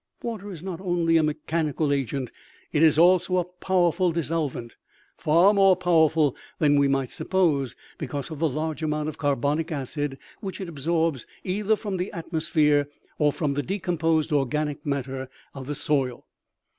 Water is not only a mechanical agent ; it is also a powerful dissolvent, far more powerful than we might suppose, because of the large amount of carbonic acid which it absorbs either from the atmos phere or from the decomposed organic matter of the soil.